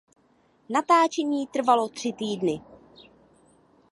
Natáčení trvalo tři týdny.